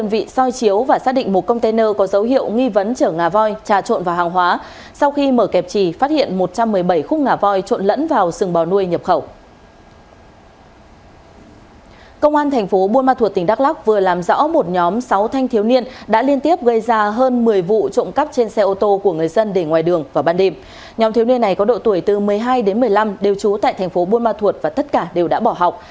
nhóm thiếu niên này có độ tuổi từ một mươi hai đến một mươi năm đều trú tại thành phố buôn ma thuột và tất cả đều đã bỏ học